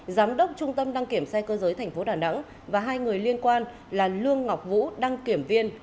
giám đốc trung tâm đăng kiểm xe cơ giới tp đà nẵng và hai người liên quan là lương ngọc vũ đăng kiểm viên